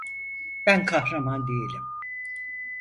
Ben kahraman değilim.